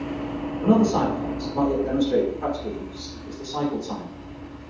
Another side effect, not yet demonstrated in practical use, is the cycle time.